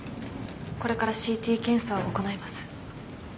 これからＣＴ検査を行います。